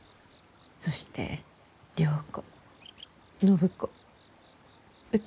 そして良子暢子歌子。